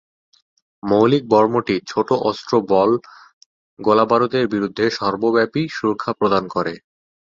মৌলিক বর্মটি ছোট অস্ত্র বল গোলাবারুদের বিরুদ্ধে সর্বব্যাপী সুরক্ষা প্রদান করে।